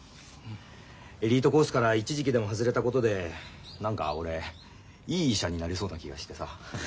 エリートコースから一時期でも外れたことで何か俺いい医者になれそうな気がしてさ。